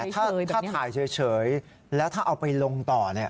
ถ่ายเฉยแล้วถ้าเอาไปลงต่อเนี่ย